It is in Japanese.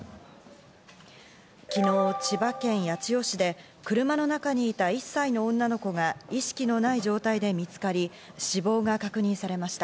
昨日、千葉県八千代市で車の中にいた１歳の女の子が意識のない状態で見つかり、死亡が確認されました。